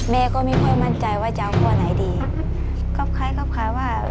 เมย์ก็มีคนมั่นใจว่าจะเอาคนไหนดีก็คล้ายก็คล้ายว่า